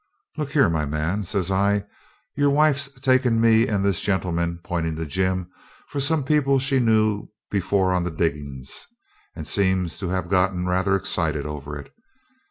'Look here, my man,' says I, 'your wife's taken me and this gentleman,' pointing to Jim, 'for some people she knew before on the diggings, and seems to have got rather excited over it.